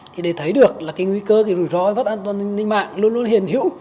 thì để thấy được là cái nguy cơ cái rủi ro cái vất an toàn thông tin mạng luôn luôn hiển hữu